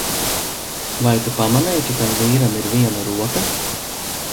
Vai tu pamanīji, ka tam vīram ir viena roka?